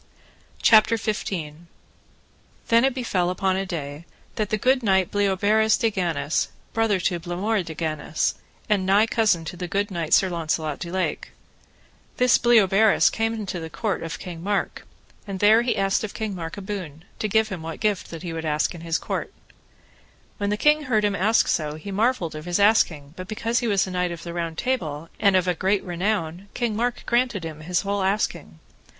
CHAPTER XV. How Sir Bleoberis demanded the fairest lady in King Mark's court, whom he took away, and how he was fought with. Then it befell upon a day that the good knight Bleoberis de Ganis, brother to Blamore de Ganis, and nigh cousin unto the good knight Sir Launcelot du Lake, this Bleoberis came unto the court of King Mark, and there he asked of King Mark a boon, to give him what gift that he would ask in his court. When the king heard him ask so, he marvelled of his asking, but because he was a knight of the Round Table, and of a great renown, King Mark granted him his whole asking.